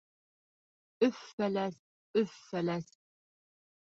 — Өф-Фәләс, Өф-Фәләс...